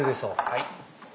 はい。